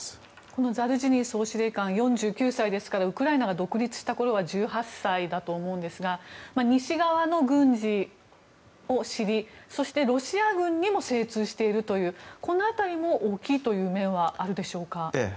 このザルジニー総司令官４９歳ですからウクライナが独立したころは１８歳だと思うんですが西側の軍事を知りそしてロシア軍にも精通しているというこの辺りも大きいという面はあるでしょうか。